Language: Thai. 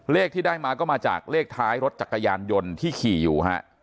เลขที่ได้มาก็มาจากเลขท้ายรถจักรยานยนต์ที่ขี่อยู่ฮะ